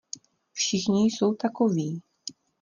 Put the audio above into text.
Všichni jsou takoví.